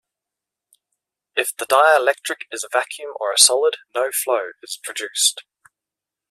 If the dielectric is a vacuum or a solid, no flow is produced.